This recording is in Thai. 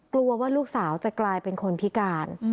กลัวว่าลูกสาวจะกลายเป็นคนพิการ